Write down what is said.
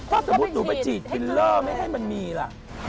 เพราะสมมติหนูมาจี๋ฟิลเลอร์แม่มันมีล่ะ